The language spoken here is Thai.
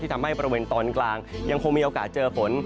ทำให้บริเวณตอนกลางยังคงมีโอกาสเจอฝน